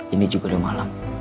ini juga udah malam